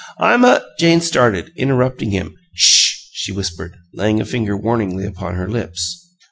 I'm a " Jane started, interrupting him. "'SH!" she whispered, laying a finger warningly upon her lips.